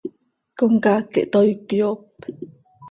Comcaac quih toii cöyoop.